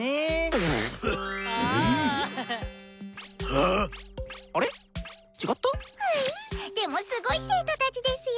ふいっでもすごい生徒たちですよ。